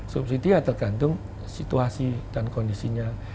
sobhansi dia tergantung situasi dan kondisinya